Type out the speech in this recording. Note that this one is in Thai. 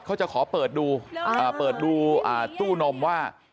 เขาจะขอเปิดดูเปิดดูตู้นมว่า